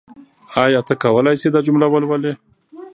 آیا ته کولای شې دا جمله ولولې؟